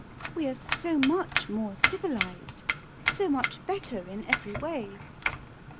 We're so much more civilised. So much better in every way.